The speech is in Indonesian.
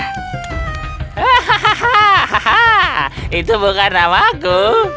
hahaha itu bukan namaku